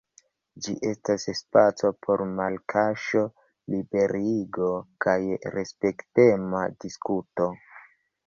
Ĝi estas spaco por malkaŝo, liberigo kaj respektema diskuto.